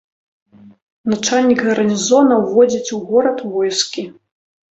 Начальнік гарнізона ўводзіць у горад войскі.